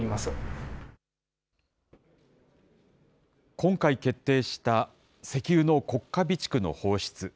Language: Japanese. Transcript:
今回決定した石油の国家備蓄の放出。